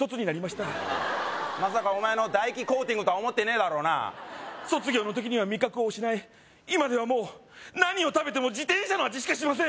たまさかお前の唾液コーティングとは思ってねえだろうな卒業の時には味覚を失い今ではもう何を食べても自転車の味しかしません